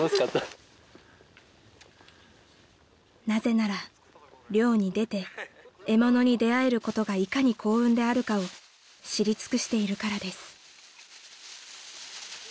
［なぜなら猟に出て獲物に出合えることがいかに幸運であるかを知り尽くしているからです］